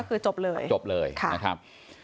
คือจบเลยจบเลยนะครับ